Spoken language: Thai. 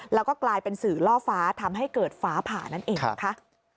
แล้วก็กลายเป็นสื่อล่อฟ้าทำให้เกิดฟ้าผ่านั่นเองนะคะ